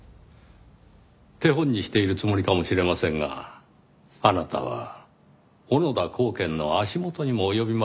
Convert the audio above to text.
手本にしているつもりかもしれませんがあなたは小野田公顕の足元にも及びませんよ。